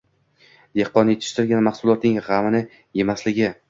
dehqon yetishtirgan mahsulotning g‘amini yemasligi